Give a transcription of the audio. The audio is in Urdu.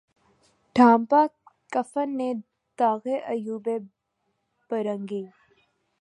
ڈھانپا کفن نے داغِ عیوبِ برہنگی